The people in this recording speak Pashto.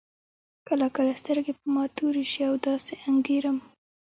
کله کله سترګې په ما تورې شي او داسې انګېرم.